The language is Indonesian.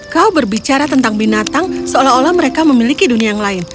kau berbicara tentang binatang seolah olah mereka memiliki dunia yang lain